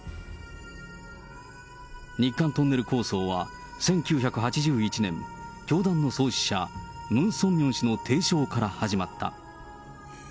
日韓トンネル構想は１９８１年、教団の創始者、ムン・ソンミョン氏の提唱から始まった。